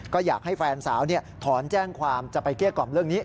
ก็อยากให้แฟนสาวถอนแจ้งความจะไปเกลี้ยกล่อมเรื่องนี้